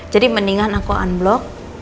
jadi mendingan aku unblock